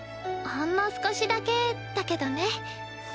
ほんの少しだけだけどね。